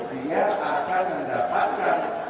dia akan mendapatkan